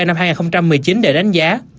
năm hai nghìn một mươi chín để đánh giá